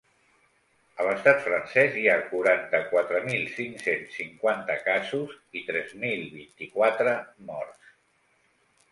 A l’estat francès hi ha quaranta-quatre mil cinc-cents cinquanta casos i tres mil vint-i-quatre morts.